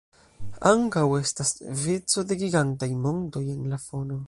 Ankaŭ estas vico da gigantaj montoj en la fono.